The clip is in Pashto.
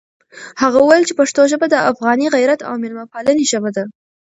هغه وویل چې پښتو ژبه د افغاني غیرت او مېلمه پالنې ژبه ده.